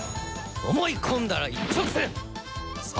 思い込んだら一直線ソノザ！